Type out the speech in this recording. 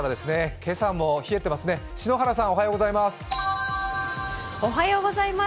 今朝も冷えてますね、篠原さん、おはようございます。